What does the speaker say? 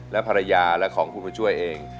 และภรรยาและของคุณบุญช่วยเอง